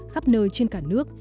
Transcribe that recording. khắp nơi trên cả nước